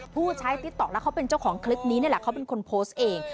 ผู้ใช้ติ๊กต๊อกแล้วเขาเป็นเจ้าของคลิปนี้นี่แหละเขาเป็นคนโพสต์เอง